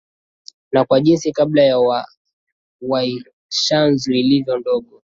Na kwa jinsi Kabila la Waisanzu lilivyo dogo